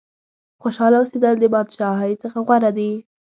خوشاله اوسېدل د بادشاهۍ څخه غوره دي.